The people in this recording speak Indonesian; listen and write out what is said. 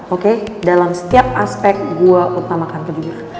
oke dalam setiap aspek gue mengutamakan kejujuran